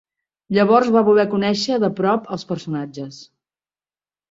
Llavors va voler conèixer de prop els personatges